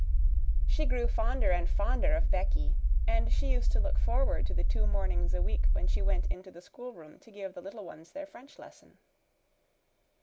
She grew fonder and fonder of Becky, and she used to look forward to the two mornings a week when she went into the schoolroom to give the little ones their French lesson.